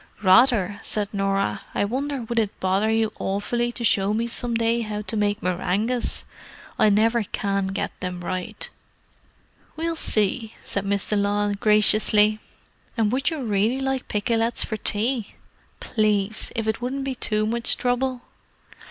"Rather!" said Norah. "I wonder would it bother you awfully to show me some day how to make meringues? I never can get them right." "We'll see," said Miss de Lisle graciously. "And would you really like pikelets for tea?" "Please—if it wouldn't be too much trouble."